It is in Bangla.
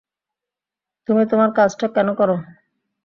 তুমি তোমার কাজটা কেন করো?